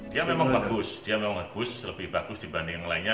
dia memang bagus dia memang bagus lebih bagus dibanding yang lainnya